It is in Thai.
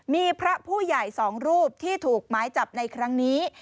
มีพระผู้ใหญ่๒รูปที่ถูกหมายจับในครั้งนี้